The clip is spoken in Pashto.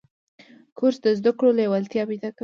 کورس د زده کړو لیوالتیا پیدا کوي.